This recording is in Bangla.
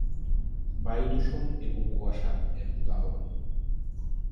বায়ু দূষণ এবং কুয়াশা এর উদাহরণ।